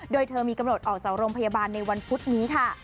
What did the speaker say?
โดยเธอมีกำหนดออกจากโรงพยาบาลในวันพุธนี้ค่ะ